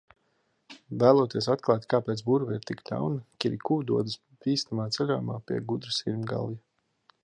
Vēloties atklāt, kāpēc burve ir tik ļauna, Kirikū dodas bīstamā ceļojumā pie gudra sirmgalvja.